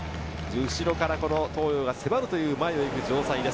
後ろから東洋が迫る前を行く城西です。